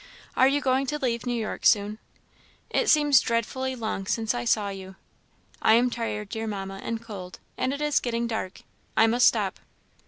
Are you going to leave New York soon? It seems dreadfully long since I saw you. I am tired, dear Mamma, and cold; and it is getting dark. I must stop.